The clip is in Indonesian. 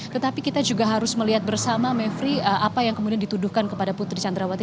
tetapi kita juga harus melihat bersama mevri apa yang kemudian dituduhkan kepada putri candrawati